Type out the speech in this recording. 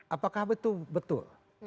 apakah itu betul